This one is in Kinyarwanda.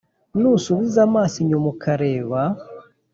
nusubiza amaso inyuma ukareba